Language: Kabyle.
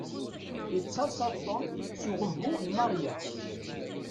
Yettaḍsa Tom s uɣdebbu n Maria.